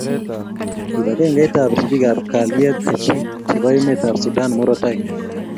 kibagengeit ab ribik ab kaylet chechik chebo emet ab Sudan murotai